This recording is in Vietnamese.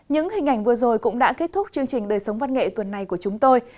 những hình ảnh vừa rồi cũng đã kết thúc chương trình đời sống văn nghệ tuần này của chúng tôi